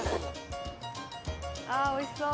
あぁおいしそう。